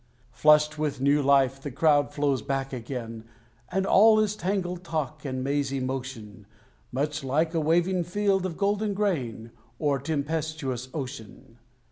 Flushed with new life, the crowd flows back again: And all is tangled talk and mazy motion Much like a waving field of golden grain, Or a tempestuous ocean.